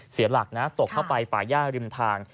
เสียหลักนะตกเข้าไปป่าย่าริมทาง